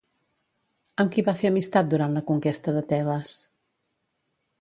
Amb qui va fer amistat durant la conquesta de Tebes?